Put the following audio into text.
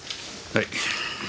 はい。